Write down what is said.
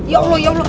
ya allah ya allah